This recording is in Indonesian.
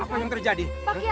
apa yang terjadi